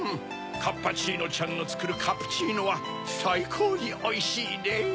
カッパチーノちゃんのつくるカプチーノはさいこうにおいしいねぇ！